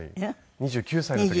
２９歳の時に。